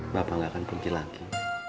bapak gak akan pergi lagi